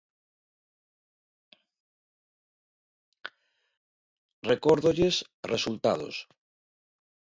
¿Recórdolles resultados?